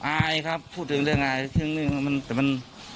อายครับพูดเรื่องเรื่องอายเรื่องเรื่องมันแต่มัน